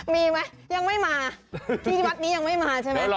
มีไหมยังไม่มาที่วัดนี้ยังไม่มาใช่ไหม